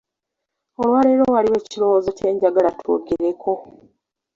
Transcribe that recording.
Olwaleero waliwo ekirowoozo kye njagala twogereko.